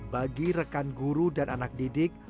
bagi rekan guru dan anak didik